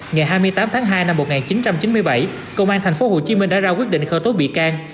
ngày hai mươi tám tháng hai năm một nghìn chín trăm chín mươi bảy công an tp hcm đã ra quyết định khởi tố bị can